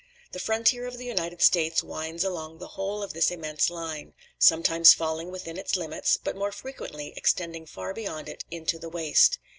The frontier of the United States winds along the whole of this immense line; sometimes falling within its limits, but more frequently extending far beyond it into the waste.